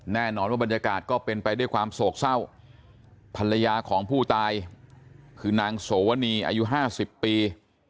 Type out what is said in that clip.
แน่นอนว่าบรรยากาศก็เป็นไปด้วยความโศกเศร้าภรรยาของผู้ตายคือนางโสวนีอายุ๕๐ปี